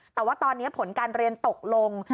แต่ว่าตอนนี้ผลการเรียนตกลง